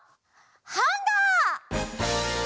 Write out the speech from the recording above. ハンガー！